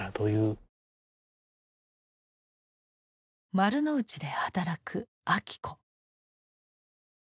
丸の内で働く昭子。